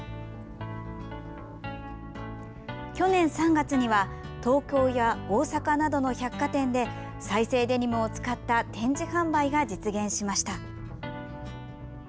去年３月には東京や大阪などの百貨店で再生デニムを使った展示販売が実現しました。